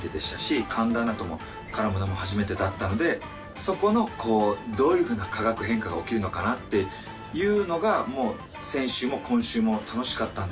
神田アナとも絡むのも初めてだったのでそこのどういうふうな化学変化が起きるのかなっていうのが先週も今週も楽しかったんですけれども。